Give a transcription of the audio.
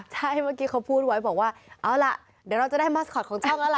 ใช่เมื่อกี้เขาพูดไว้บอกว่าเอาล่ะเดี๋ยวเราจะได้มัสคอตของช่างแล้วล่ะ